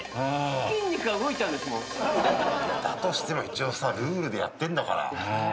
だとしても一応さルールでやってんだから。